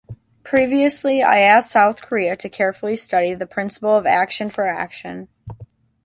Previously, I asked South Korea to carefully study the principle of action for action.